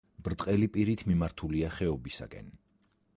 ბრტყელი პირით მიმართულია ხეობისაკენ.